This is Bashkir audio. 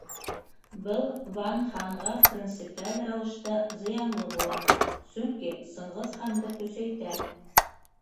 Был Ван ханға принципиаль рәүештә зыянлы була, сөнки Сыңғыҙ ханды көсәйтә.